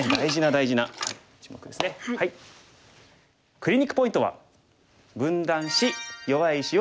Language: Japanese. クリニックポイントは。